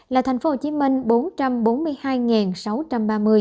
là tp hcm bốn trăm bốn mươi hai sáu trăm linh ca nhiễm